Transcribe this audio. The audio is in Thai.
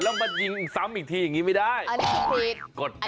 แล้วมายิงซ้ำอีกทีอย่างนี้ไม่ได้อันนี้ผิดกฎหมาย